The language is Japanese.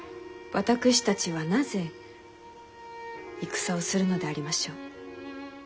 私たちはなぜ戦をするのでありましょう？